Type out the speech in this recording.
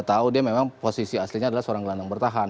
kita tahu dia memang posisi aslinya adalah seorang gelandang bertahan